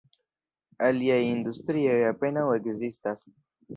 Aliaj industrioj apenaŭ ekzistas.